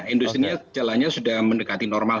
industri nya jalannya sudah mendekati normal